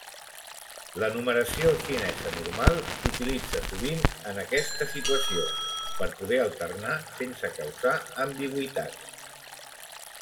La numeració xinesa normal s'utilitzen sovint en aquesta situació per poder alternar sense causar ambigüitats.